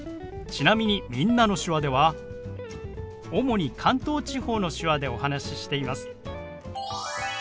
ちなみに「みんなの手話」では主に関東地方の手話でお話ししています。